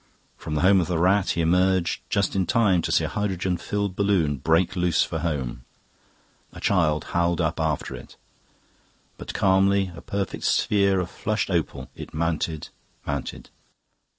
From the home of the Rat he emerged just in time to see a hydrogen filled balloon break loose for home. A child howled up after it; but calmly, a perfect sphere of flushed opal, it mounted, mounted.